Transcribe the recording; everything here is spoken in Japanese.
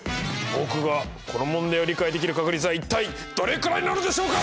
僕がこの問題を理解できる確率は一体どれくらいなのでしょうか！